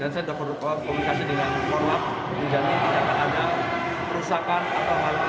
dan saya doktor komunikasi dengan korban yang tidak akan ada perusahaan atau hal ini yang tidak akan berhasil